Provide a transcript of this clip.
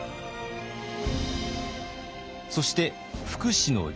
そして福祉の充実。